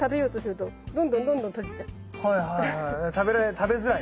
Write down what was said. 食べづらい。